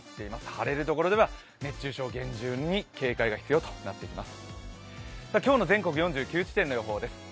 晴れるところでは熱中症に厳重に警戒が必要となってきます。